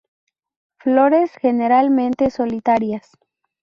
Flores generalmente solitarias.